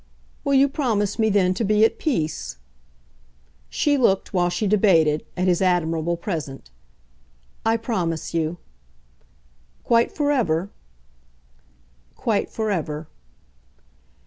"Will you promise me then to be at peace?" She looked, while she debated, at his admirable present. "I promise you." "Quite for ever?" "Quite for ever."